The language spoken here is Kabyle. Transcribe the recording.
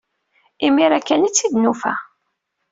Imir-a kan ay tt-id-nufa.